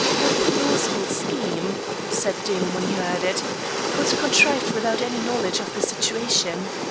"A plausible scheme," said Doom when he heard it, "but contrived without any knowledge of the situation.